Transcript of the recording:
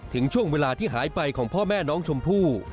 ถึงช่วงเวลาที่หายไปของพ่อแม่น้องชมพู่